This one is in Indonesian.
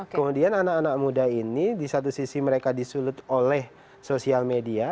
kemudian anak anak muda ini di satu sisi mereka disulut oleh sosial media